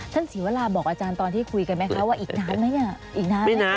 ท่านศิวาราบอกอาจารย์ตอนที่คุยกันไหมคะว่าอีกนานไหมเนี่ย